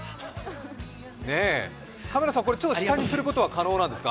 カメラさん、下にすることは可能ですか？